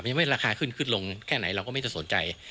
ไม่ใช่ว่าราคาขึ้นขึ้นลงแค่ไหนเราก็ไม่ต้องสนใจ